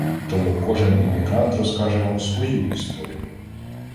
Тому кожен іммігрант розкаже вам свою історію